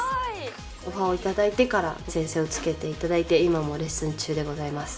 オファーを頂いてから、先生をつけていただいて、今もレッスン中でございます。